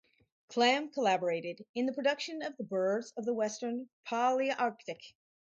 Klemm collaborated in the production of the "Birds of the Western Palearctic".